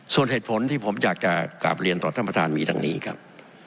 ส่วนเหตุผลที่ผมอยากจะกลับเรียนต่อท่านประธานมีดังนี้ครับ